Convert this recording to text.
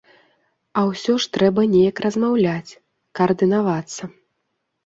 А ўсё ж трэба неяк размаўляць, каардынавацца.